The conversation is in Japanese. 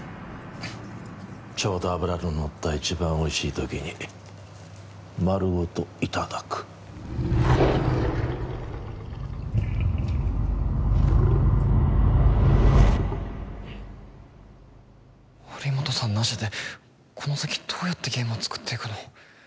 ちょうど脂ののった一番おいしい時に丸ごといただく堀本さんなしでこの先どうやってゲームを作っていくの？